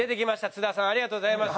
津田さんありがとうございます。